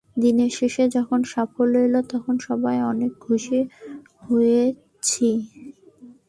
দিন শেষে যখন সাফল্য এল, তখন সবাই অনেক খুশি হয়েছি।